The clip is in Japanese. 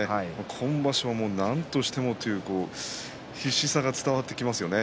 今場所はなんとしてもという必死さが伝わってきますよね。